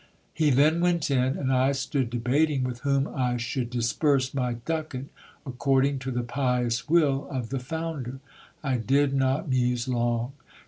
He then went in, and I stood debating with whom I should disburse my ducat, according to the pious will of the founder. I did aot muse long.